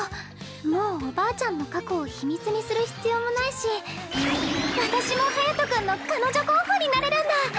もうおばあちゃんの過去を秘密にする必要もないし私も隼君の彼女候補になれるんだ！